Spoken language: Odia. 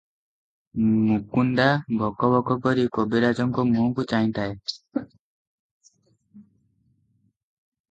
ମୁକୁନ୍ଦା ଭକଭକ କରି କବିରାଜଙ୍କ ମୁହଁକୁ ଚାହିଁଥାଏ ।